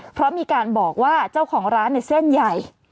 เพราะมีการบอกว่าเจ้าของร้านในเส้นใหญ่